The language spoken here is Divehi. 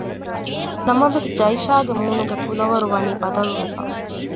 ނަމަވެސް ޖައިޝާގެ މޫނުގެ ކުލަވަރު ވަނީ ބަދަލުވެފަ